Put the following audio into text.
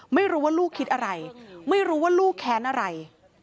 ไม่รู้ว่าลูกคิดอะไรไม่รู้ว่าลูกแค้นอะไร